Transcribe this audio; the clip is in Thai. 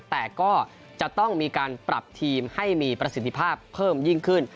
แต่ก็จะต้องมีการปรับทีมให้มีประสิทธิภาพเพิ่มยิ่งขึ้น